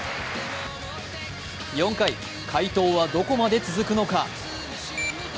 ４回、快投はどこまで続くのか。